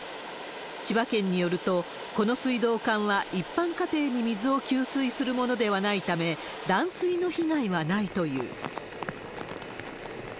千葉県によると、この水道管は一般家庭に水を給水するものではないため、断水の被害はないという。